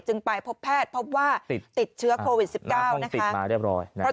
จึงไปพบแพทย์พบว่าติดเชื้อโควิด๑๙นะคะ